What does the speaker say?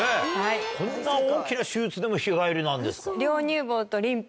こんな大きな手術でも日帰りなんですか。